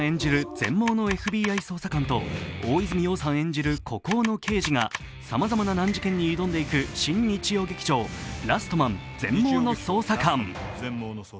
全盲のＦＢＩ捜査官と大泉洋さん演じる孤高の刑事がさまざまな難事件に挑んでいく新日曜劇場「ラストマン−全盲の捜査官−」